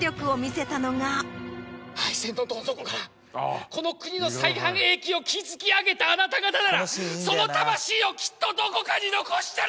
敗戦のどん底からこの国の再繁栄期を築き上げたあなた方ならその魂をきっとどこかに残してる！